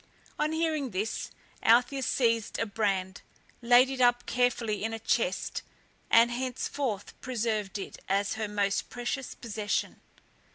On hearing this, Althea seized the brand, laid it up carefully in a chest, and henceforth preserved it as her most precious possession.